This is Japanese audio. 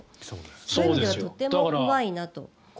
そういう意味ではとっても怖いなと。